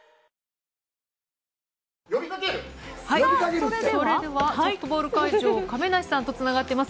それではソフトボール会場、亀梨さんとつながってます。